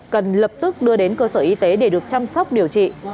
cần lập tức đưa đến cơ sở y tế để được chăm sóc điều trị